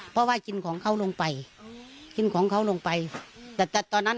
เพราะว่ากินของเขาลงไปกินของเขาลงไปแต่ตอนนั้น